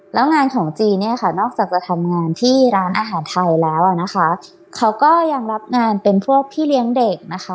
แล้วงานของจีนเนี่ยค่ะนอกจากจะทำงานที่ร้านอาหารไทยแล้วอ่ะนะคะเขาก็ยังรับงานเป็นพวกพี่เลี้ยงเด็กนะคะ